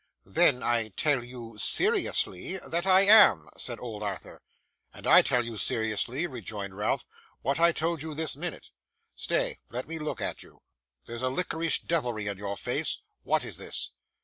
'Then I tell you seriously that I am,' said old Arthur. 'And I tell you seriously,' rejoined Ralph, 'what I told you this minute. Stay. Let me look at you. There's a liquorish devilry in your face. What is this?